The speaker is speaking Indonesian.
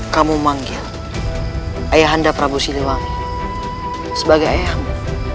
kamu memanggil ayahanda prabu siliwangi sebagai ayahmu